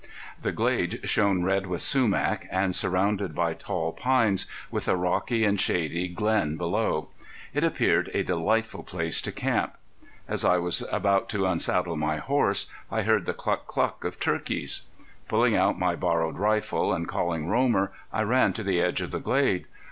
The glade shone red with sumach, and surrounded by tall pines, with a rocky and shady glen below, it appeared a delightful place to camp. As I was about to unsaddle my horses I heard the cluck cluck of turkeys. Pulling out my borrowed rifle, and calling Romer, I ran to the edge of the glade.